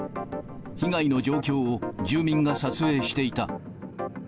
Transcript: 被害の状況を住民が撮影していた。